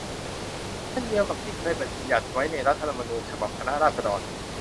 เช่นเดียวกับที่เคยบัญญัติไว้ในรัฐธรรมนูญฉบับคณะราษฎร